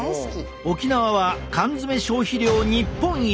沖縄は缶詰消費量日本一！